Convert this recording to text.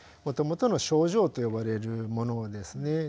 もともとの症状と呼ばれるものですね。